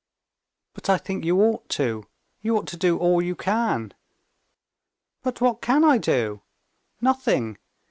"But I think you ought to. You ought to do all you can." "But what can I do? Nothing.